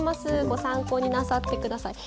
ご参考になさってください。